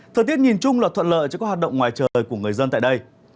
thời tiết nhìn chung là thuận lợi cho các hoạt động ngoài trời của người dân tại đây